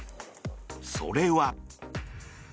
それは。